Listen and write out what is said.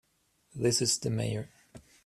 This is the Mayor.